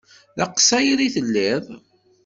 D aqṣayri i telliḍ.